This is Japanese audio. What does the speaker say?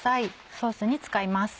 ソースに使います。